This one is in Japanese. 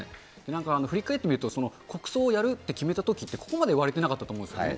なんか振り返ってみると、国葬をやるって決めたときって、ここまで割れてなかったと思うんですよね。